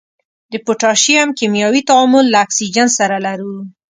د پوتاشیم کیمیاوي تعامل له اکسیجن سره لرو.